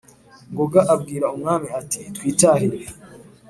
» ngoga abwira umwami ati twitahire